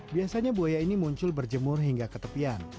biasanya buaya ini muncul berjemur hingga ketepian